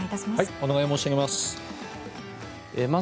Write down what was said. お願い申し上げます。